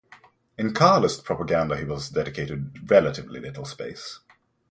In Carlist propaganda he was dedicated relatively little space.